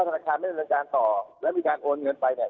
ธนาคารไม่ดำเนินการต่อแล้วมีการโอนเงินไปเนี่ย